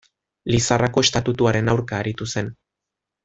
Lizarrako Estatutuaren aurka aritu zen.